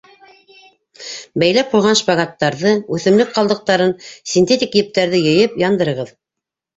Бәйләп ҡуйған шпагаттарҙы, үҫемлек ҡалдыҡтарын, синтетик ептәрҙе йыйып, яндырығыҙ.